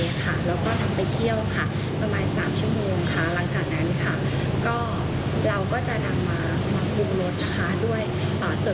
แล้วก็ทำไปเคี่ยวประมาณ๓ชั่วโมงหลังจากนั้นเราก็จะนำมาปรุงรสด้วยส่วนผสมของทางร้าน